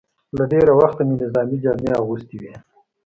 له ډېره وخته مې نظامي جامې اغوستې وې.